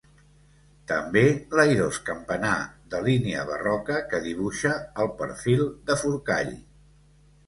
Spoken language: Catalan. També l'airós campanar de línia barroca que dibuixa el perfil de Forcall.